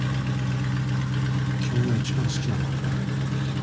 君が一番好きなのはどれ？